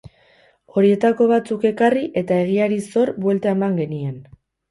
Horietako batzuk ekarri eta egiari zor, buelta eman genien.